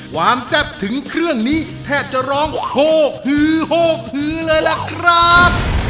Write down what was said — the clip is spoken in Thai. ความแซ่บถึงเครื่องนี้แททย์จะร้องหกซื้อหกซื้อเลยละครับ